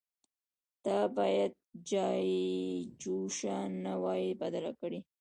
_تا بايد چايجوشه نه وای بدله کړې.